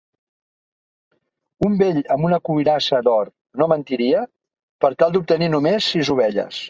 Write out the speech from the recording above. Un vell amb una cuirassa d'or no mentiria per tal d'obtenir només sis ovelles.